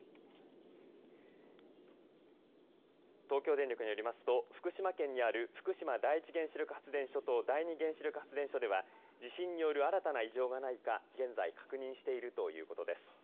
東京電力によりますと福島県にある福島第一原子力発電所と第２原子力発電所では地震による新たな異常がないか現在確認しているということです。